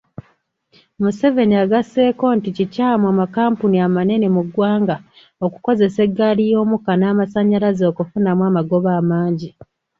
Museveni agasseeko nti kikyamu amakampuni amanene mu ggwanga okukozesa eggaaliyoomukka n'amasannyalaze okufunamu amagoba amangi.